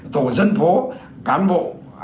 tổ dân phố cán bộ